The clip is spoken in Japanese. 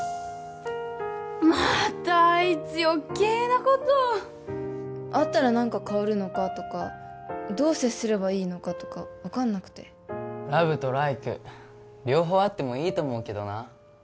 またあいつ余計なことを会ったら何か変わるのかとかどう接すればいいのかとか分かんなくてラブとライク両方あってもいいと思うけどな